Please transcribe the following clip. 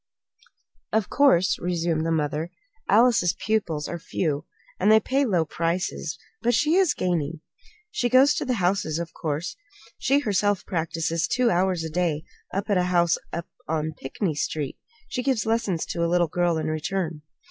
"Of course," resumed the mother, "Alice's pupils are few, and they pay low prices; but she is gaining. She goes to the houses, of course. She herself practises two hours a day at a house up on Pinckney Street. She gives lessons to a little girl in return."